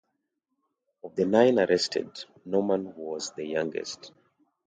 Of the nine arrested, Norman was the youngest.